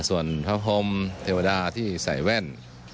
ส่วนพระพรมเทวดาที่ใส่แว่น